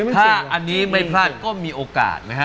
ถ้าอันนี้ไม่พลาดก็มีโอกาสนะฮะ